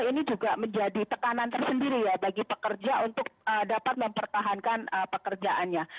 ini juga menjadi tekanan tersendiri ya bagi pekerja untuk dapat mempertahankan pekerjaannya